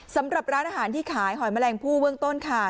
สำหรับร้านอาหารที่ขายหอยแมลงผู้เบื้องต้นค่ะ